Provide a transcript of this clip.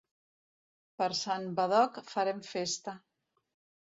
Per Sant Badoc farem festa.